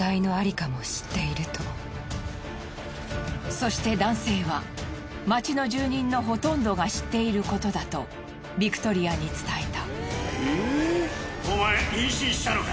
そして男性は町の住人のほとんどが知っていることだとビクトリアに伝えた。